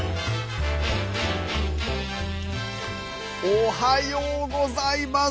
おはようございます！